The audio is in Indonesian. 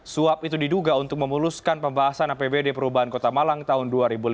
suap itu diduga untuk memuluskan pembahasan apbd perubahan kota malang tahun dua ribu lima belas